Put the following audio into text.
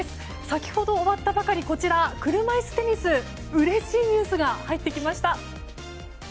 先ほど終わったばかり車いすテニスでうれしいニュースが入ってきました。